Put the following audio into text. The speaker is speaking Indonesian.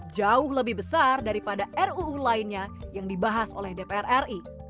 jauh lebih besar daripada ruu lainnya yang dibahas oleh dpr ri